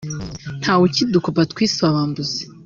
Ntawe ukidukopa twiswe abambuzi